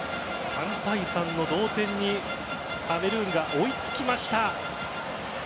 ３対３の同点にカメルーンが追いつきました。